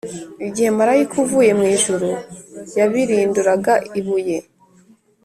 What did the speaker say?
igihe marayika uvuye mu ijuru yabirinduraga ibuye,